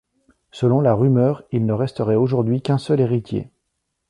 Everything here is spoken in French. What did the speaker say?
Selon la rumeur, il ne resterait aujourd'hui qu'un seul héritier.